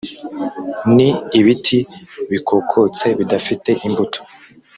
ni ibiti bikokotse bidafite imbuto